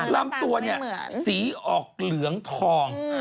ลำตัวเนี่ยสีออกเหลืองทอง